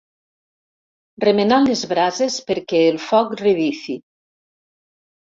Remenant les brases perquè el foc revifi.